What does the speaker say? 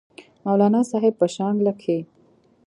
مولانا صاحب پۀ شانګله کښې